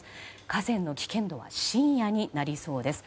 河川の危険度は深夜になりそうです。